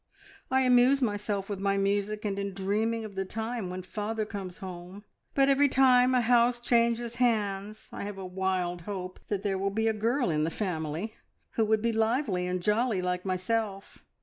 I amuse myself with my music and in dreaming of the time when father comes home, but every time a house changes hands I have a wild hope that there will be a girl in the family, who would be lively and jolly like myself.